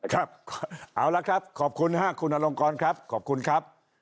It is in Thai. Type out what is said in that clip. ครับเอาละครับขอบคุณครับคุณอลงกรครับขอบคุณครับ